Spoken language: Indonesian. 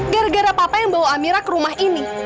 gara gara papa yang bawa amira ke rumah ini